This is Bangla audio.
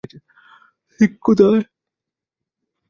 সিক, কোথায়?